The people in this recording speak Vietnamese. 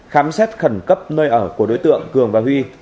khám xét khẩn cấp nơi ở của đối tượng cường và huy